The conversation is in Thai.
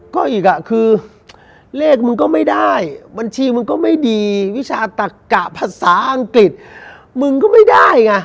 ก็อีกอ่ะคือเลขมึงก็ไม่ได้บัญชีมึงก็ไม่ดีวิชาตักกะภาษาอังกฤษมึงก็ไม่ได้ไง